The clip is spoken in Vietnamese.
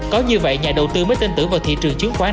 có như vậy nhà đầu tư mới tin tưởng vào thị trường chứng khoán